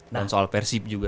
dan soal persib juga